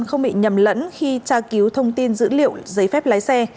không bị nhầm lẫn khi tra cứu thông tin dữ liệu giấy phép lái xe